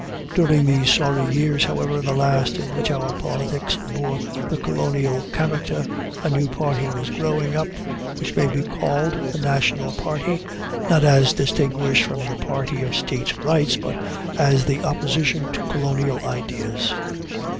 During these sorry years, however, the last in which our politics bore the colonial character, a new party was growing up, which may be called the national party, not as distinguished from the party of state's rights, but as the opposition to colonial ideas.